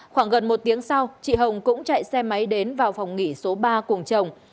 khoảng gần một tiếng sau chị hồng cũng chạy xe máy đến vào phòng nghỉ số ba cùng chồng